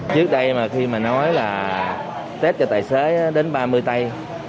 trước đây mà khi mà nói là tết cho tài xế đến ba mươi tay